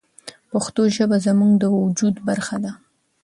پښتو ژبه زموږ د وجود برخه ده.